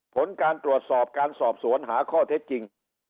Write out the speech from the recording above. ผลการตรวจสอบการสอบสวนหาข้อเท็จจริง